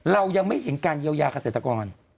เรายังไม่เห็นการเยียวยาเกษตรกร